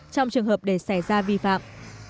trong trường hợp để xảy ra vi phạm